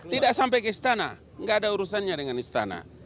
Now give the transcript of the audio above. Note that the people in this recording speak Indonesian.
tidak sampai ke istana tidak ada urusannya dengan istana